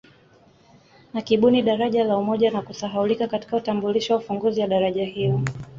Akibuni daraja la Umoja na kusahaulika katika utambulisho wa ufunguzi ya daraja hilo